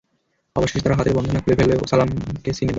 অবশেষে তারা হাতের বন্ধনা খুলে ফেলল ও সালামাকে ছিনিয়ে নিল।